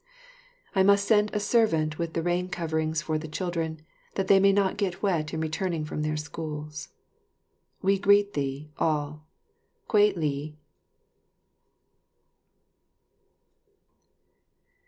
I must send a servant with the rain coverings for the children, that they may not get wet in returning from their schools. We greet thee, all. Kwei li.